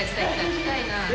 近いな。